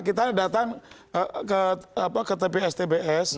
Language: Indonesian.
kita datang ke tps tps